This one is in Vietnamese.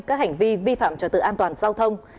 các hành vi vi phạm trật tự an toàn giao thông